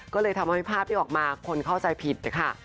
ก็เลยทำให้ภาพที่ออกมาคนเข้าใจผิดนะคะ